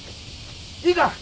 いいか！